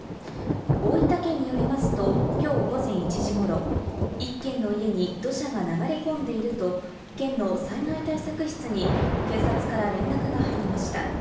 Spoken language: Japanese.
大分県によりますと、きょう午前１時ごろ１軒の家に土砂が流れ込んでいると県の災害対策室に警察から連絡が入りました。